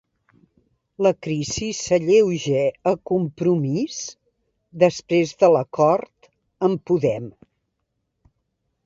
La crisi s'alleuja a Compromís després de l'acord amb Podem.